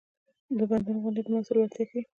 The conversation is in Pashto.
د پوهنتون غونډې د محصل وړتیا ښيي.